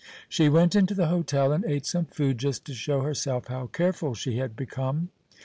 She went into the hotel and ate some food, just to show herself how careful she had become.